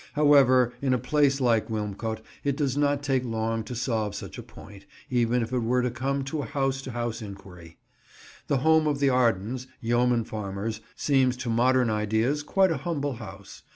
However, in a place like Wilmcote it does not take long to solve such a point, even if it were to come to a house to house inquiry. The home of the Ardens, yeomen farmers, seems to modern ideas quite a humble house.